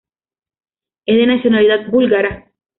Es de nacionalidad búlgara.